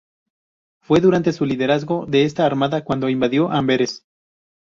Fue durante su liderazgo en esta armada cuando invadió Amberes.